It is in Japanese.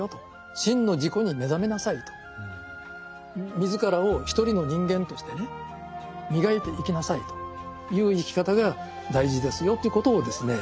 自らを一人の人間としてね磨いていきなさいという生き方が大事ですよということをですね